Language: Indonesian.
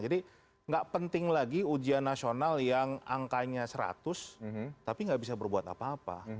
jadi enggak penting lagi ujian nasional yang angkanya seratus tapi enggak bisa berbuat apa apa